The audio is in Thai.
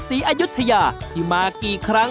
สีอายุธยาที่มากิคลั้ง